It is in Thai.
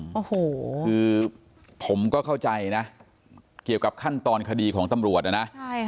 โอ้โหคือผมก็เข้าใจนะเกี่ยวกับขั้นตอนคดีของตำรวจนะนะ